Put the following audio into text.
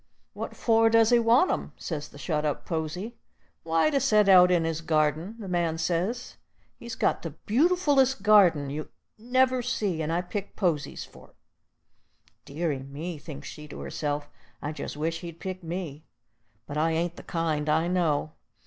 "What for does he want 'em?" says the shet up posy. "Why, to set out in his gardin," the man says. "He's got the beautif'lest gardin you never see, and I pick posies for't." "Deary me," thinks she to herself, "I jest wish he'd pick me. But I ain't the kind, I know."